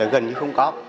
gần như không có